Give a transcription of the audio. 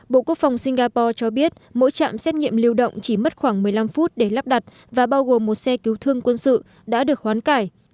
bộ quốc phòng singapore cho biết mỗi trạm xét nghiệm lưu động chỉ mất khoảng một mươi năm phút để lắp đặt và bao gồm một xe cứu thương quân sự đã được hoán cải